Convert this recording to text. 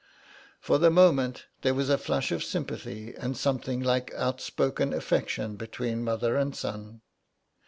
For the moment there was a flush of sympathy and something like outspoken affection between mother and son.